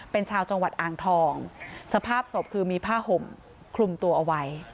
เป็นชาวจังหวัดอ่างทองสภาพศพคือมีผ้าห่มคลุมตัวเอาไว้